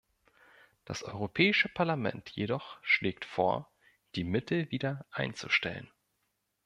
Das Europäische Parlament jedoch schlägt vor, die Mittel wieder einzustellen.